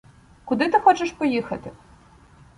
Куди ти хочеш поїхати?